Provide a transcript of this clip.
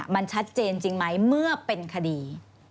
มันชัดเจนจริงไหมเมื่อเป็นคดี